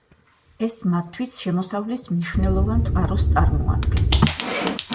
ეს მათთვის შემოსავლის მნიშვნელოვან წყაროს წარმოადგენს.